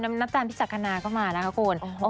นับแจนพิจักรณาก็มาแล้วค่ะคุณ